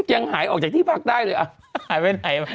ยังหายออกจากที่พิพักรได้เลย